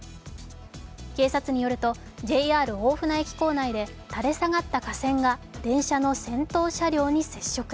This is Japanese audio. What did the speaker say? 警察によると、ＪＲ大船駅構内で垂れ下がった架線が電車の先頭車両に接触。